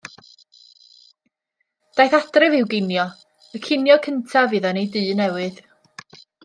Daeth adref i'w ginio, y cinio cyntaf iddo yn ei dŷ newydd.